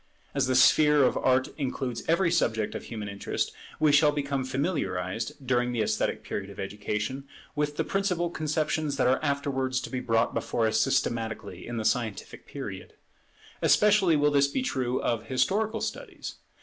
As the sphere of Art includes every subject of human interest, we shall become familiarized, during the esthetic period of education, with the principal conceptions that are afterwards to be brought before us systematically in the scientific period. Especially will this be true of historical studies.